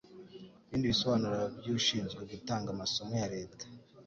ibindi bisobanuro by ushinzwe gutanga amasomo ya leta